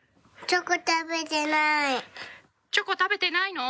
チョコ食べてないの？